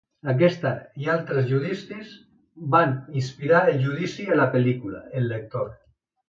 Aquest i altres judicis van inspirar el judici a la pel·lícula El lector.